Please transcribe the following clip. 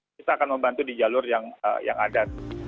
kita akan membantu di jalur yang ada